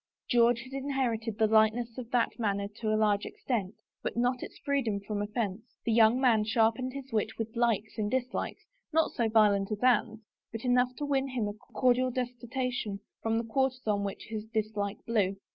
George had inherited the lightness of that manner tp a large extent, but not its freedom from offense ; the young man sharpened his wit with likes and dislikes, not so violent as Anne's, but enough to win him a cordial detestation from the quarters on which his dislike blew.